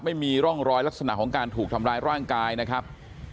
ไม่มีร่องรอยลักษณะของการถูกทำร้ายร่างกายนะครับ